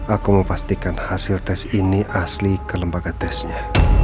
aku memastikan hasil tes ini asli ke lembaga tesnya